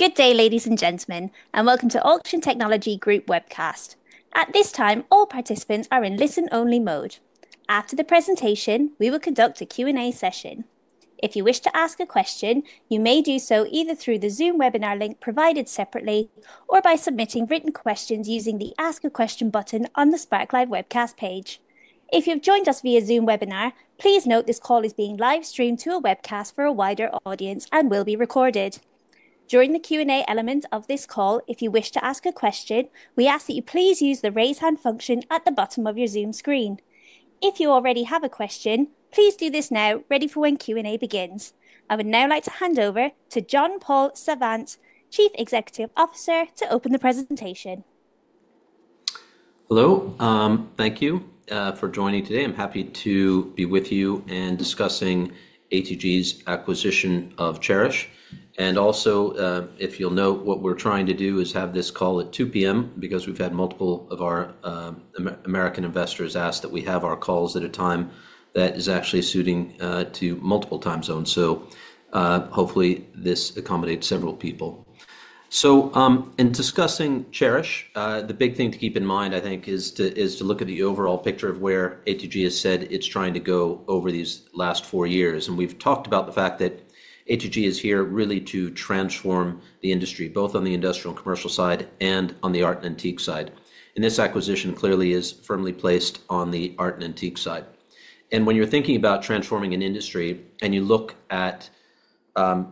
Good day, ladies and gentlemen, and welcome to Auction Technology Group Webcast. At this time, all participants are in listen-only mode. After the presentation, we will conduct a Q&A session. If you wish to ask a question, you may do so either through the Zoom webinar link provided separately or by submitting written questions using the Ask a Question button on the Spark Live webcast page. If you have joined us via Zoom webinar, please note this call is being live streamed to a webcast for a wider audience and will be recorded. During the Q&A element of this call, if you wish to ask a question, we ask that you please use the raise hand function at the bottom of your Zoom screen. If you already have a question, please do this now, ready for when Q&A begins. I would now like to hand over to John-Paul Savant, Chief Executive Officer, to open the presentation. Hello. Thank you for joining today. I'm happy to be with you and discussing ATG's acquisition of Chairish. Also, if you'll note, what we're trying to do is have this call at 2 P.M. because we've had multiple of our American investors ask that we have our calls at a time that is actually suiting to multiple time zones. Hopefully, this accommodates several people. In discussing Chairish, the big thing to keep in mind, I think, is to look at the overall picture of where ATG has said it's trying to go over these last four years. We've talked about the fact that ATG is here really to transform the industry, both on the industrial and commercial side and on the art and antique side. This acquisition clearly is firmly placed on the art and antique side. When you're thinking about transforming an industry and you look at the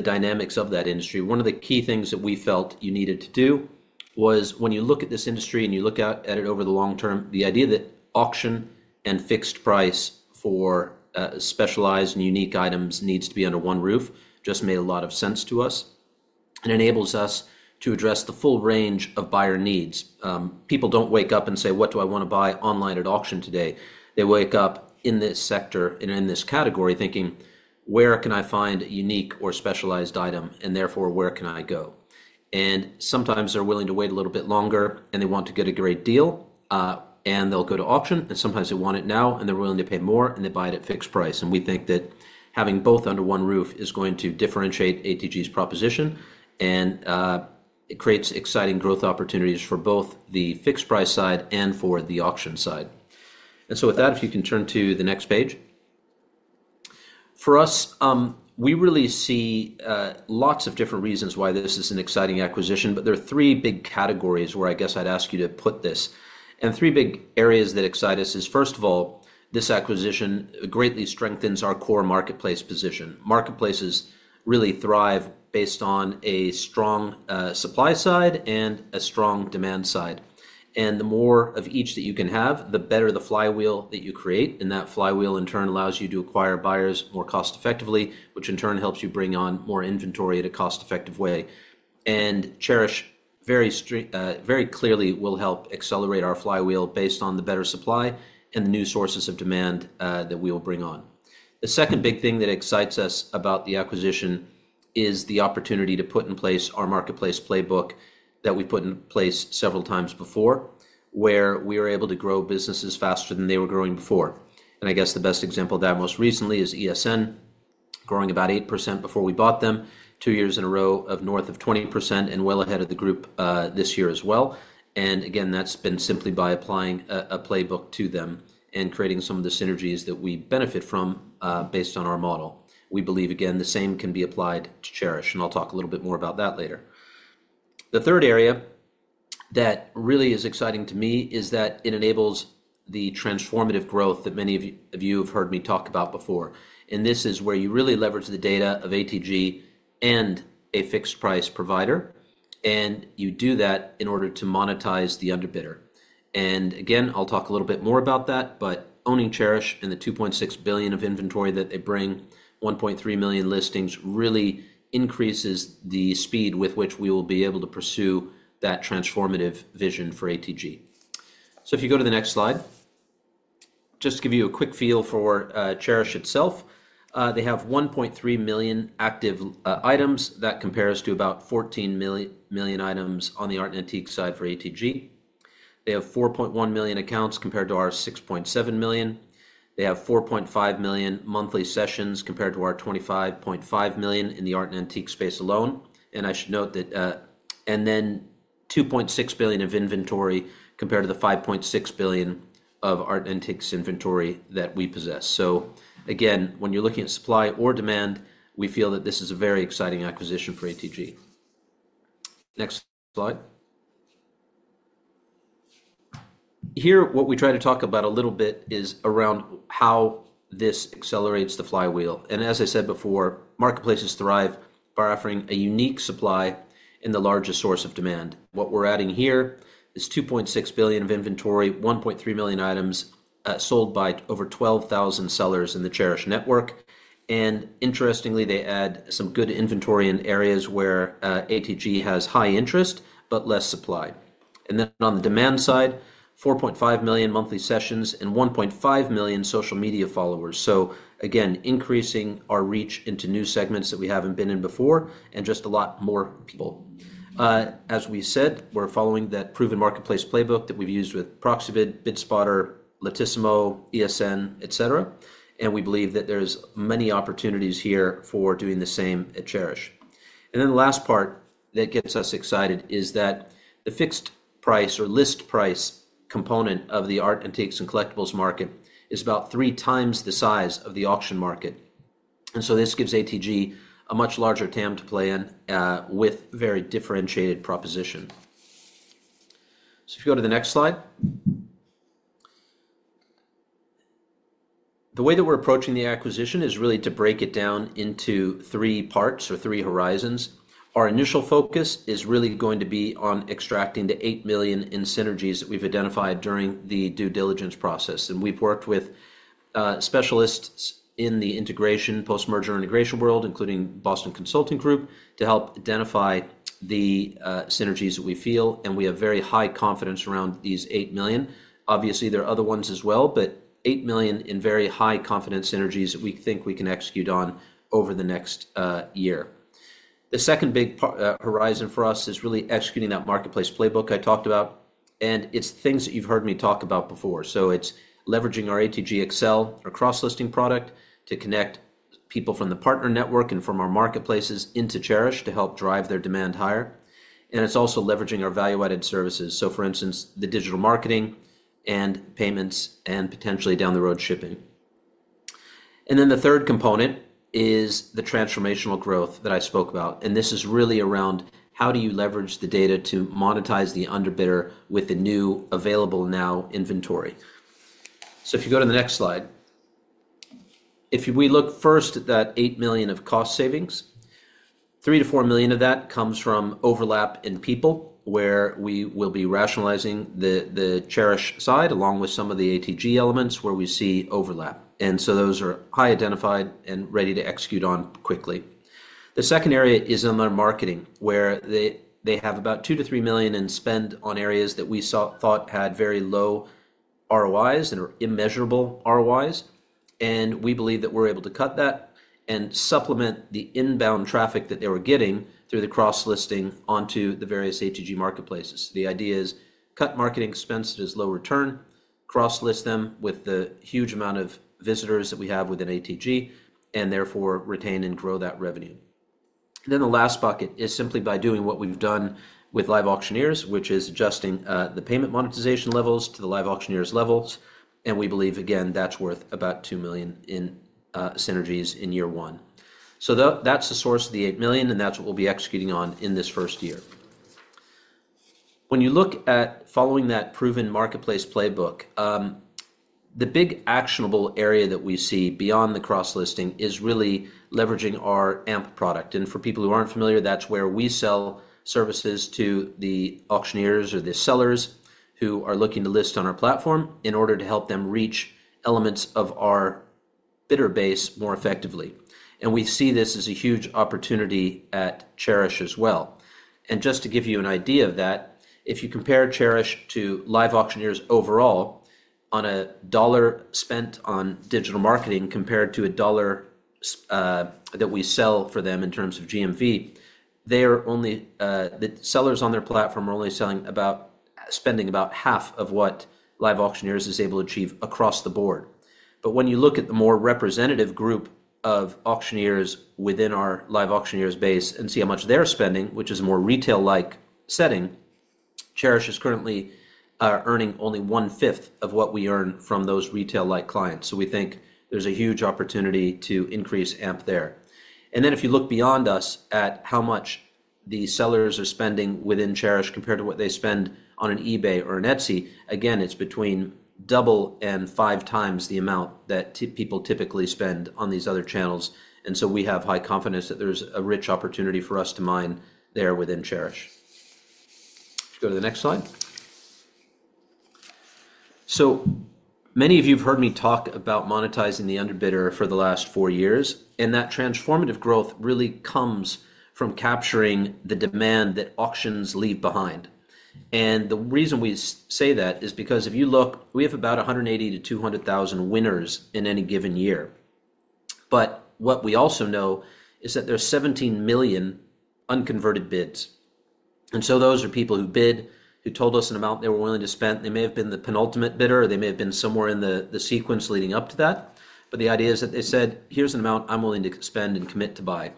dynamics of that industry, one of the key things that we felt you needed to do was when you look at this industry and you look at it over the long term, the idea that auction and fixed price for specialized and unique items needs to be under one roof just made a lot of sense to us and enables us to address the full range of buyer needs. People don't wake up and say, "What do I want to buy online at auction today?" They wake up in this sector and in this category thinking, "Where can I find a unique or specialized item? And therefore, where can I go?" Sometimes they're willing to wait a little bit longer and they want to get a great deal, and they'll go to auction. Sometimes they want it now and they're willing to pay more and they buy it at fixed price. We think that having both under one roof is going to differentiate ATG's proposition and create exciting growth opportunities for both the fixed price side and for the auction side. With that, if you can turn to the next page. For us, we really see lots of different reasons why this is an exciting acquisition, but there are three big categories where I guess I'd ask you to put this. Three big areas that excite us is, first of all, this acquisition greatly strengthens our core marketplace position. Marketplaces really thrive based on a strong supply side and a strong demand side. The more of each that you can have, the better the flywheel that you create. That flywheel, in turn, allows you to acquire buyers more cost effectively, which in turn helps you bring on more inventory in a cost-effective way. Chairish very clearly will help accelerate our flywheel based on the better supply and the new sources of demand that we will bring on. The second big thing that excites us about the acquisition is the opportunity to put in place our marketplace playbook that we put in place several times before, where we were able to grow businesses faster than they were growing before. I guess the best example of that most recently is ESN, growing about 8% before we bought them, two years in a row of north of 20% and well ahead of the group this year as well. That has been simply by applying a playbook to them and creating some of the synergies that we benefit from based on our model. We believe the same can be applied to Chairish. I'll talk a little bit more about that later. The third area that really is exciting to me is that it enables the transformative growth that many of you have heard me talk about before. This is where you really leverage the data of ATG and a fixed price provider. You do that in order to monetize the underbidder. I'll talk a little bit more about that, but owning Chairish and the $2.6 billion of inventory that they bring, 1.3 million listings, really increases the speed with which we will be able to pursue that transformative vision for ATG. If you go to the next slide, just to give you a quick feel for Chairish itself, they have 1.3 million active items. That compares to about 14 million items on the art and antique side for ATG. They have 4.1 million accounts compared to our 6.7 million. They have 4.5 million monthly sessions compared to our 25.5 million in the art and antique space alone. I should note that, and then $2.6 billion of inventory compared to the $5.6 billion of art and antiques inventory that we possess. When you're looking at supply or demand, we feel that this is a very exciting acquisition for ATG. Next slide. Here, what we try to talk about a little bit is around how this accelerates the flywheel. As I said before, marketplaces thrive by offering a unique supply and the largest source of demand. What we're adding here is $2.6 billion of inventory, 1.3 million items sold by over 12,000 sellers in the Chairish network. Interestingly, they add some good inventory in areas where ATG has high interest but less supply. On the demand side, 4.5 million monthly sessions and 1.5 million social media followers. Again, increasing our reach into new segments that we haven't been in before and just a lot more comfortable. As we said, we're following that proven marketplace playbook that we've used with Proxibid, BidSpotter, Lot-tissimo, ESN, etc. We believe that there's many opportunities here for doing the same at Chairish. The last part that gets us excited is that the fixed price or list price component of the art, antiques, and collectibles market is about three times the size of the auction market. This gives ATG a much larger TAM to play in with a very differentiated proposition. If you go to the next slide, the way that we're approaching the acquisition is really to break it down into three parts or three horizons. Our initial focus is really going to be on extracting the $8 million in synergies that we've identified during the due diligence process. We've worked with specialists in the integration, post-merger integration world, including Boston Consulting Group, to help identify the synergies that we feel. We have very high confidence around these $8 million. Obviously, there are other ones as well, but $8 million in very high confidence synergies that we think we can execute on over the next year. The second big horizon for us is really executing that marketplace playbook I talked about. It's things that you've heard me talk about before. It's leveraging our ATG Excel, our cross-listing product, to connect people from the partner network and from our marketplaces into Chairish to help drive their demand higher. It's also leveraging our value-added services. For instance, the digital marketing and payments and potentially down the road shipping. The third component is the transformational growth that I spoke about. This is really around how do you leverage the data to monetize the underbidder with the new available now inventory. If you go to the next slide, if we look first at that $8 million of cost savings, $3 million-$4 million of that comes from overlap in people where we will be rationalizing the Chairish side along with some of the ATG elements where we see overlap. Those are high identified and ready to execute on quickly. The second area is in our marketing where they have about $2 million-$3 million in spend on areas that we thought had very low ROIs and are immeasurable ROIs. We believe that we're able to cut that and supplement the inbound traffic that they were getting through the cross-listing onto the various ATG marketplaces. The idea is cut marketing expenses as low return, cross-list them with the huge amount of visitors that we have within ATG, and therefore retain and grow that revenue. The last bucket is simply by doing what we've done with LiveAuctioneers, which is adjusting the payment monetization levels to the LiveAuctioneers levels. We believe, again, that's worth about $2 million in synergies in year one. That's the source of the $8 million, and that's what we'll be executing on in this first year. When you look at following that proven marketplace playbook, the big actionable area that we see beyond the cross-listing is really leveraging our AMP product. For people who aren't familiar, that's where we sell services to the auctioneers or the sellers who are looking to list on our platform in order to help them reach elements of our bidder base more effectively. We see this as a huge opportunity at Chairish as well. Just to give you an idea of that, if you compare Chairish to LiveAuctioneers overall on a dollar spent on digital marketing compared to a dollar that we sell for them in terms of GMV, the sellers on their platform are only spending about half of what LiveAuctioneers is able to achieve across the board. When you look at the more representative group of auctioneers within our LiveAuctioneers base and see how much they're spending, which is a more retail-like setting, Chairish is currently earning only 1/5 of what we earn from those retail-like clients. We think there's a huge opportunity to increase AMP there. If you look beyond us at how much the sellers are spending within Chairish compared to what they spend on an eBay or an Etsy, again, it's between double and five times the amount that people typically spend on these other channels. We have high confidence that there's a rich opportunity for us to mine there within Chairish. Let's go to the next slide. Many of you have heard me talk about monetizing the underbidder for the last four years, and that transformative growth really comes from capturing the demand that auctions leave behind. The reason we say that is because if you look, we have about 180,000-200,000 winners in any given year. What we also know is that there's 17 million unconverted bids. Those are people who bid, who told us an amount they were willing to spend. They may have been the penultimate bidder, or they may have been somewhere in the sequence leading up to that. The idea is that they said, "Here's an amount I'm willing to spend and commit to buy."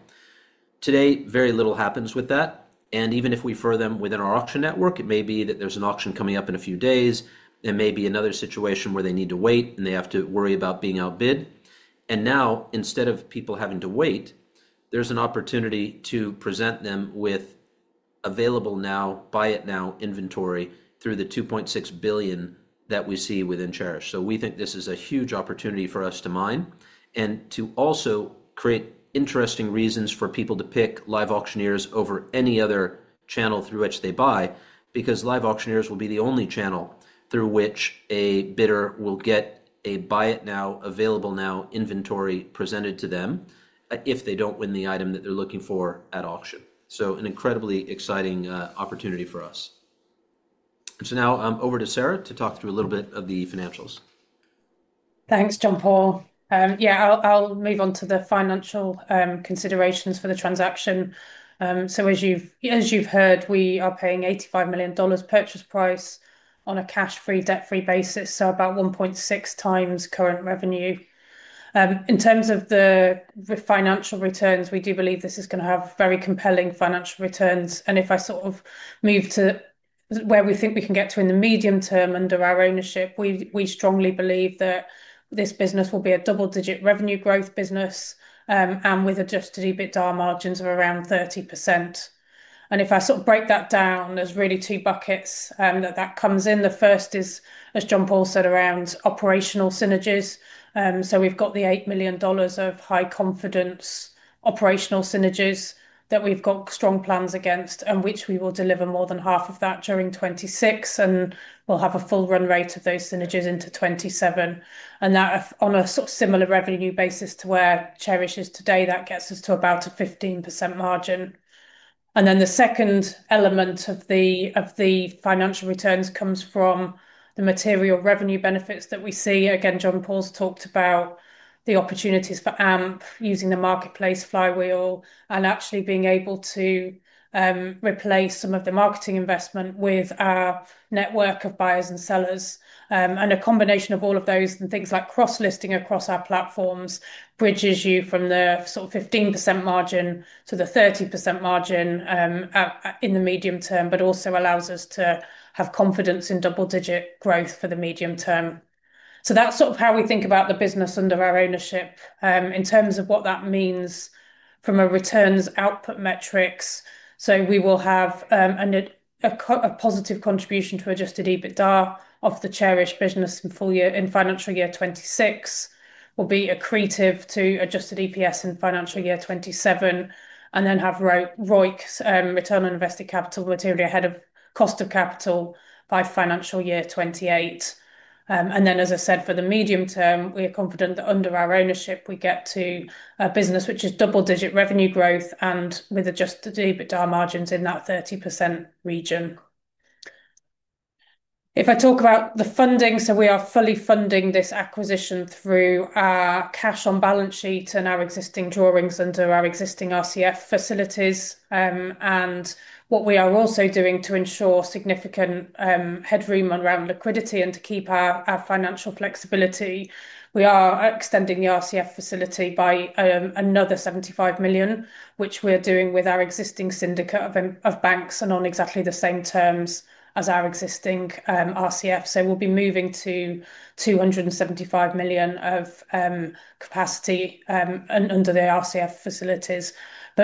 Today, very little happens with that. Even if we refer them within our auction network, it may be that there's an auction coming up in a few days. There may be another situation where they need to wait and they have to worry about being outbid. Now, instead of people having to wait, there's an opportunity to present them with available now, buy it now inventory through the $2.6 billion that we see within Chairish. We think this is a huge opportunity for us to mine and to also create interesting reasons for people to pick LiveAuctioneers over any other channel through which they buy, because LiveAuctioneers will be the only channel through which a bidder will get a buy it now, available now inventory presented to them if they don't win the item that they're looking for at auction. This is an incredibly exciting opportunity for us. Now I'm over to Sarah to talk through a little bit of the financials. Thanks, John-Paul. Yeah, I'll move on to the financial considerations for the transaction. As you've heard, we are paying $85 million purchase price on a cash-free, debt-free basis, so about 1.6x current revenue. In terms of the financial returns, we do believe this is going to have very compelling financial returns. If I sort of move to where we think we can get to in the medium term under our ownership, we strongly believe that this business will be a double-digit revenue growth business with adjusted EBITDA margins of around 30%. If I sort of break that down, there are really two buckets that that comes in. The first is, as John-Paul said, around operational synergies. We've got the $8 million of high-confidence operational synergies that we've got strong plans against, which we will deliver more than half of during 2026, and we'll have a full run rate of those synergies into 2027. On a similar revenue basis to where Chairish is today, that gets us to about a 15% margin. The second element of the financial returns comes from the material revenue benefits that we see. John-Paul's talked about the opportunities for AMP using the marketplace flywheel and actually being able to replace some of the marketing investment with our network of buyers and sellers. A combination of all of those and things like cross-listing across our platforms bridges you from the 15% margin to the 30% margin in the medium term, but also allows us to have confidence in double-digit growth for the medium term. That's how we think about the business under our ownership in terms of what that means from a returns output metrics. We will have a positive contribution to adjusted EBITDA of the Chairish business in financial year 2026, will be accretive to adjusted EPS in financial year 2027, and then have ROIC, Return on Invested Capital, material ahead of cost of capital by financial year 2028. For the medium term, we are confident that under our ownership, we get to a business which is double-digit revenue growth and with adjusted EBITDA margins in that 30% region. If I talk about the funding, we are fully funding this acquisition through our cash on balance sheet and our existing drawings under our existing RCF facilities. What we are also doing to ensure significant headroom around liquidity and to keep our financial flexibility, we are extending the RCF facility by another $75 million, which we are doing with our existing syndicate of banks and on exactly the same terms as our existing RCF. We will be moving to $275 million of capacity under the RCF facilities.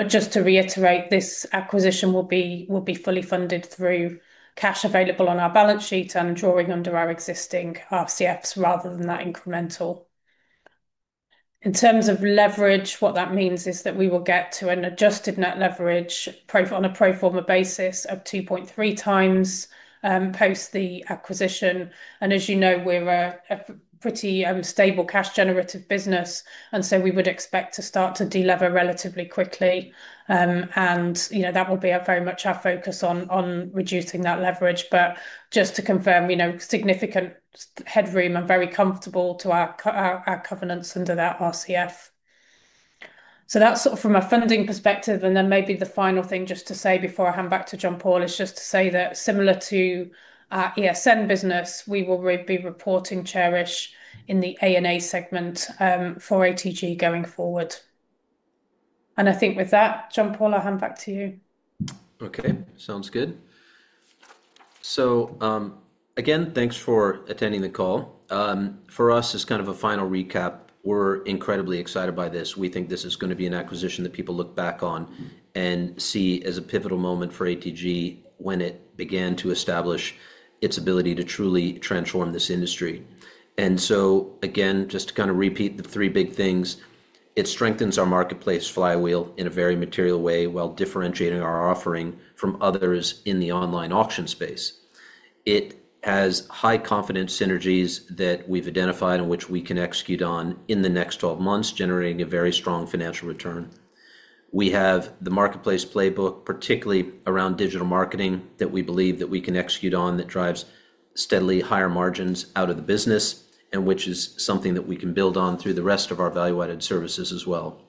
Just to reiterate, this acquisition will be fully funded through cash available on our balance sheet and drawing under our existing RCFs rather than that incremental. In terms of leverage, what that means is that we will get to an adjusted net leverage on a pro forma basis of 2.3x post the acquisition. As you know, we are a pretty stable cash-generative business, and we would expect to start to delever relatively quickly. That will be very much our focus on reducing that leverage. Just to confirm, we know significant headroom and are very comfortable to our covenants under that RCF. That is from a funding perspective. Maybe the final thing just to say before I hand back to John-Paul is that similar to our ESN business, we will be reporting Chairish in the A&A segment for ATG going forward. I think with that, John-Paul, I'll hand back to you. Okay, sounds good. Again, thanks for attending the call. For us, it's kind of a final recap. We're incredibly excited by this. We think this is going to be an acquisition that people look back on and see as a pivotal moment for ATG when it began to establish its ability to truly transform this industry. Just to repeat the three big things, it strengthens our marketplace flywheel in a very material way while differentiating our offering from others in the online auction space. It has high-confidence synergies that we've identified and which we can execute on in the next 12 months, generating a very strong financial return. We have the marketplace playbook, particularly around digital marketing, that we believe we can execute on that drives steadily higher margins out of the business and which is something that we can build on through the rest of our value-added services as well.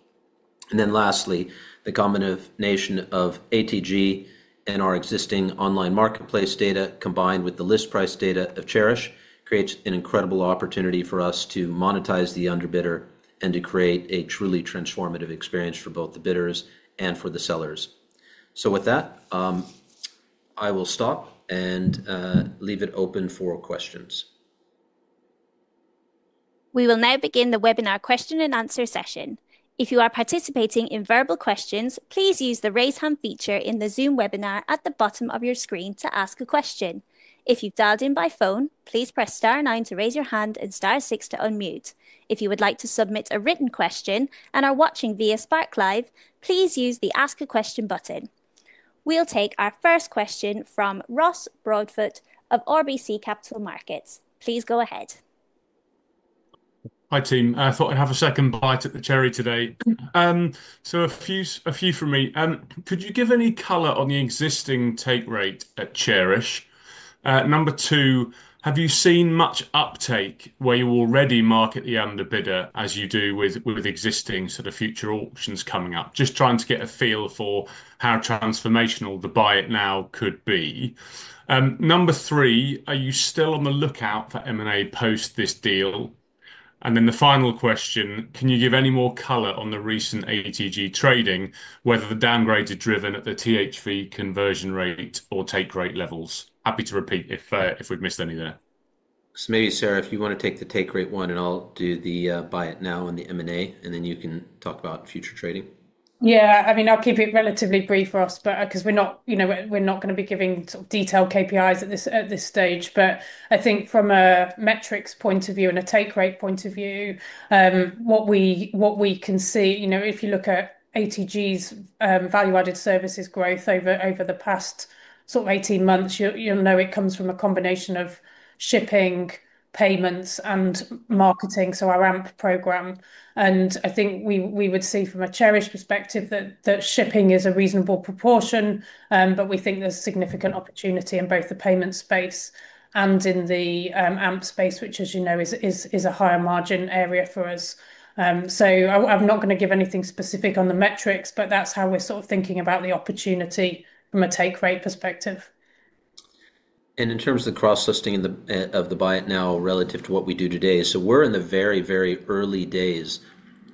Lastly, the combination of ATG and our existing online marketplace data combined with the list price data of Chairish creates an incredible opportunity for us to monetize the underbidder and to create a truly transformative experience for both the bidders and for the sellers. With that, I will stop and leave it open for questions. We will now begin the webinar question-and-answer session. If you are participating in verbal questions, please use the raise hand feature in the Zoom webinar at the bottom of your screen to ask a question. If you dialed in by phone, please press star nine to raise your hand and star six to unmute. If you would like to submit a written question and are watching via Spark Live, please use the ask a question button. We'll take our first question from Ross Broadfoot of RBC Capital Markets. Please go ahead. Hi team, I thought I'd have a second bite at the cherry today. A few from me. Could you give any color on the existing take rate at Chairish? Number two, have you seen much uptake where you already market the underbidder as you do with existing sort of future auctions coming up? Just trying to get a feel for how transformational the buy it now could be. Number three, are you still on the lookout for M&A post this deal? The final question, can you give any more color on the recent ATG trading, whether the downgrades are driven at the THV conversion rate or take rate levels? Happy to repeat if we've missed any there. Sarah, if you want to take the take rate one and I'll do the buy it now and the M&A, and then you can talk about future trading. Yeah, I mean, I'll keep it relatively brief, Ross, because we're not going to be giving detailed KPIs at this stage. I think from a metrics point of view and a take rate point of view, what we can see, you know, if you look at ATG's value-added services growth over the past sort of 18 months, you'll know it comes from a combination of shipping, payments, and marketing, so our AMP program. I think we would see from a Chairish perspective that shipping is a reasonable proportion, but we think there's significant opportunity in both the payment space and in the AMP space, which, as you know, is a higher margin area for us. I'm not going to give anything specific on the metrics, but that's how we're sort of thinking about the opportunity from a take rate perspective. In terms of the cross-listing of the buy it now relative to what we do today, we're in the very, very early days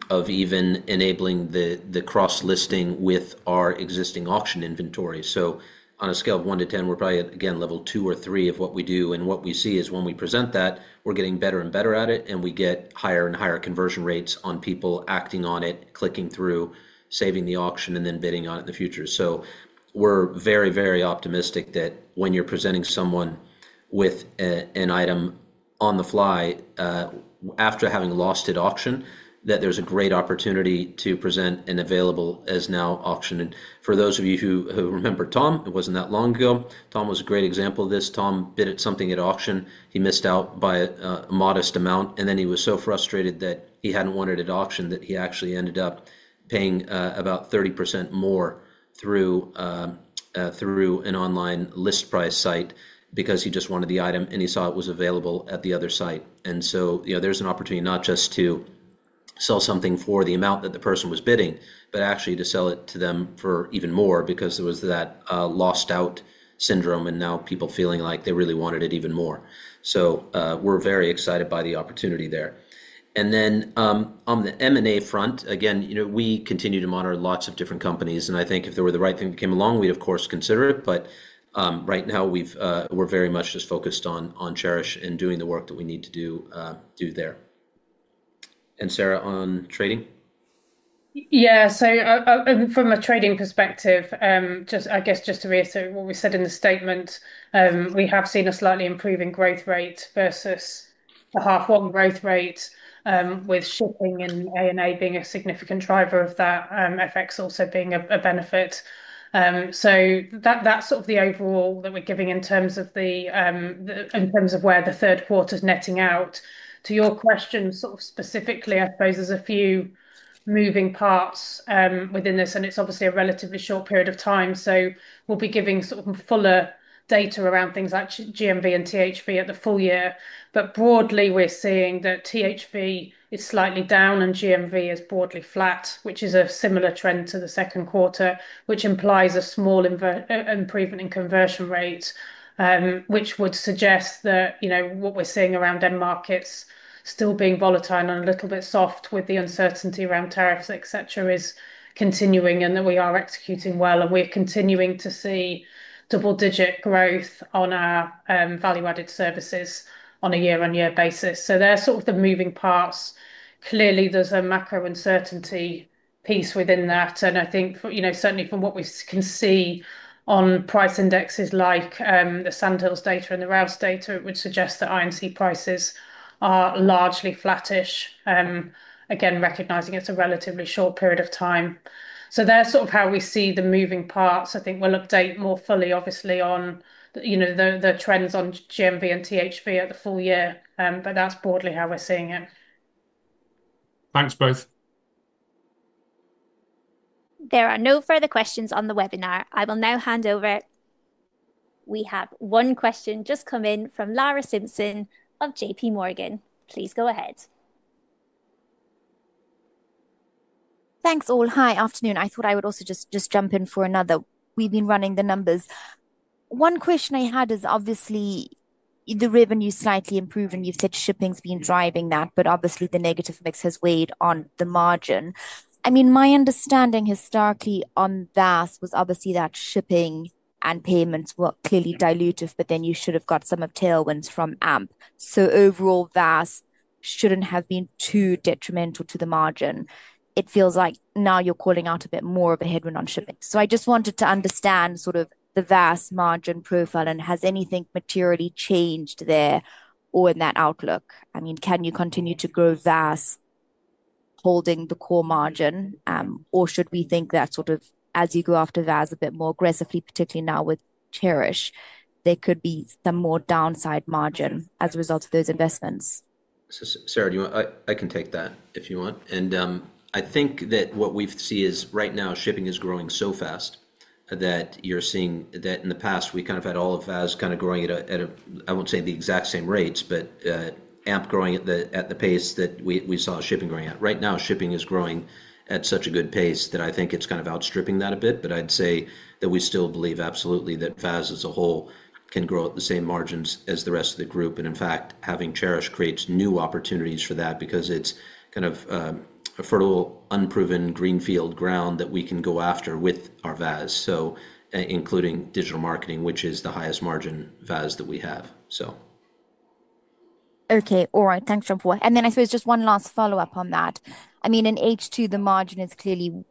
of even enabling the cross-listing with our existing auction inventory. On a scale of one to ten, we're probably at, again, level two or three of what we do. What we see is when we present that, we're getting better and better at it, and we get higher and higher conversion rates on people acting on it, clicking through, saving the auction, and then bidding on it in the future. We are very, very optimistic that when you're presenting someone with an item on the fly after having lost at auction, there's a great opportunity to present an available as now auction. For those of you who remember Tom, it wasn't that long ago, Tom was a great example of this. Tom bid at something at auction, he missed out by a modest amount, and then he was so frustrated that he hadn't wanted it at auction that he actually ended up paying about 30% more through an online list price site because he just wanted the item and he saw it was available at the other site. There's an opportunity not just to sell something for the amount that the person was bidding, but actually to sell it to them for even more because there was that lost-out syndrome and now people feeling like they really wanted it even more. We are very excited by the opportunity there. On the M&A front, again, we continue to monitor lots of different companies. I think if there were the right thing that came along, we'd of course consider it. Right now, we're very much just focused on Chairish and doing the work that we need to do there. Sarah, on trading? Yeah, from a trading perspective, just to reassert what we said in the statement, we have seen a slightly improving growth rate versus a half-on growth rate with shipping and A&A being a significant driver of that, FX also being a benefit. That's the overall that we're giving in terms of where the third quarter's netting out. To your question specifically, I suppose there's a few moving parts within this, and it's obviously a relatively short period of time. We'll be giving fuller data around things like GMV and THV at the full year. Broadly, we're seeing that THV is slightly down and GMV is broadly flat, which is a similar trend to the second quarter, which implies a small improvement in conversion rate. That would suggest that what we're seeing around end markets still being volatile and a little bit soft with the uncertainty around tariffs, etc., is continuing and that we are executing well. We're continuing to see double-digit growth on our value-added services on a year-on-year basis. They're the moving parts. Clearly, there's a macro uncertainty piece within that. Certainly, from what we can see on price indexes like the Sandhills data and the Ralphs data, it would suggest that INC prices are largely flattish, again, recognizing it's a relatively short period of time. That's how we see the moving parts. We'll update more fully, obviously, on the trends on GMV and THV at the full year, but that's broadly how we're seeing it. Thanks, both. There are no further questions on the webinar. I will now hand over. We have one question just come in from Lara Simpson of JPMorgan. Please go ahead. Thanks all. Hi, afternoon. I thought I would also just jump in for another. We've been running the numbers. One question I had is obviously the revenue is slightly improving. You've said shipping's been driving that, but obviously the negative mix has weighed on the margin. My understanding historically on VAS was obviously that shipping and payments were clearly dilutive, but then you should have got some uphill wins from AMP. Overall, VAS shouldn't have been too detrimental to the margin. It feels like now you're calling out a bit more of a headwind on shipping. I just wanted to understand sort of the VAS margin profile and has anything materially changed there or in that outlook? Can you continue to grow VAS holding the core margin or should we think that as you go after VAS a bit more aggressively, particularly now with Chairish, there could be some more downside margin as a result of those investments? Sarah, I can take that if you want. I think that what we see is right now shipping is growing so fast that you're seeing that in the past we kind of had all of VAS kind of growing at a, I won't say the exact same rates, but AMP growing at the pace that we saw shipping growing at. Right now shipping is growing at such a good pace that I think it's kind of outstripping that a bit. I'd say that we still believe absolutely that VAS as a whole can grow at the same margins as the rest of the group. In fact, having Chairish creates new opportunities for that because it's kind of a fertile, unproven greenfield ground that we can go after with our VAS, including digital marketing, which is the highest margin VAS that we have. Okay, all right, thanks, John-Paul. I suppose just one last follow-up on that. In H2, the margin is clearly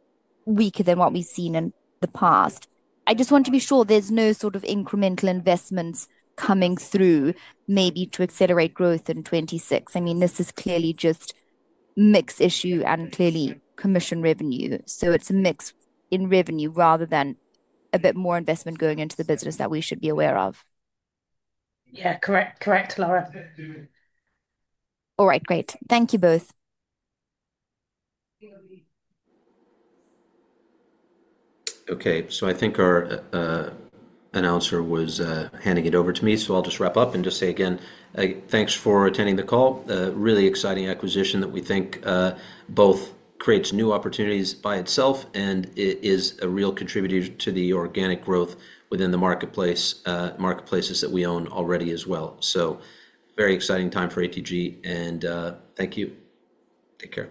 weaker than what we've seen in the past. I just want to be sure there's no sort of incremental investments coming through, maybe to accelerate growth in 2026. This is clearly just a mix issue and clearly commission revenue. It's a mix in revenue rather than a bit more investment going into the business that we should be aware of. Yeah, correct, correct, Lara. All right, great. Thank you both. Okay, I think our announcer was handing it over to me, so I'll just wrap up and just say again, thanks for attending the call. Really exciting acquisition that we think both creates new opportunities by itself and it is a real contributor to the organic growth within the marketplaces that we own already as well. Very exciting time for ATG and thank you. Take care.